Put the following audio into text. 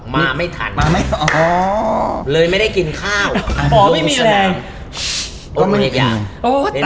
มาไม่ทันมาไม่อ๋อเลยไม่ได้กินข้าวอ๋อไม่มีแสดงว่ามีอีกอย่าง